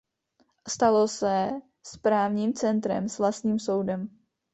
Stalo se správním centrem s vlastním soudem.